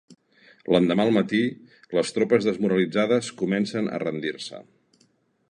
L'endemà al matí, les tropes desmoralitzades començaren a rendir-se.